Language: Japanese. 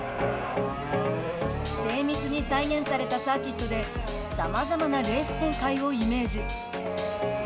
精密に再現されたサーキットでさまざまなレース展開をイメージ。